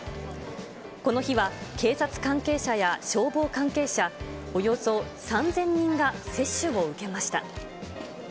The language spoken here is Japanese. この日は、警察関係者や消防関係者、およそ３０００人が接種を受けました。